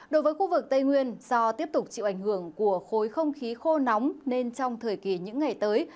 đối với khu vực tây nguyên do tiếp tục chịu ảnh hưởng của khối không khí khô nóng nên trong thời kỳ những ngày tới